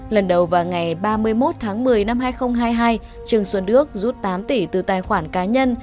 lần đầu vào ngày ba mươi một tháng một mươi năm hai nghìn hai mươi hai trương xuân đức rút tám tỷ từ tài khoản cá nhân